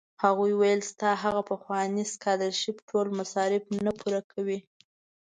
هغوی ویل ستا هغه پخوانی سکالرشېپ ټول مصارف نه پوره کوي.